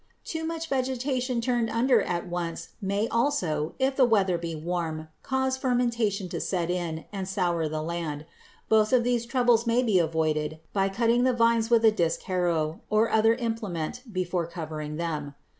Too much vegetation turned under at once may also, if the weather be warm, cause fermentation to set in and "sour the land." Both of these troubles may be avoided by cutting up the vines with a disk harrow or other implement before covering them.